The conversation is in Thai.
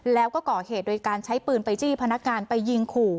แล้วก็ก่อเหตุโดยการใช้ปืนไปจี้พนักงานไปยิงขู่